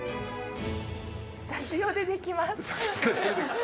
スタジオでできます